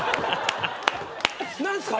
何すか？